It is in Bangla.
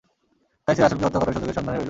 তাই সে রাসুলকে হত্যা করার সুযোগের সন্ধানে রইল।